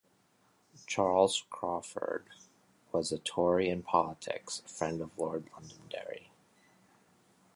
Charles Craufurd was a Tory in politics, friend of Lord Londonderry.